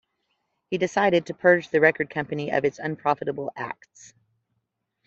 He decided to purge the record company of its unprofitable acts.